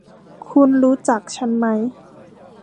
คุณรู้จักฉันไหม